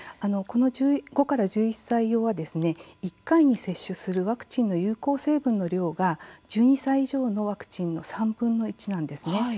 この５から１１歳用は１回に接種するワクチンの有効成分の量が１２歳以上用のワクチンの３分の１なんですね。